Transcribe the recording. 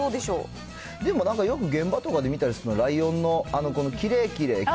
でもなんか、現場とかでよく見たりするのはライオンのキレイキレイ９９．９９